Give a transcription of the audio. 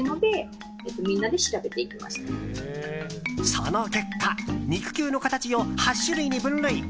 その結果、肉球の形を８種類に分類。